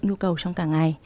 nhu cầu trong cả ngày